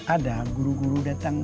ada guru guru datang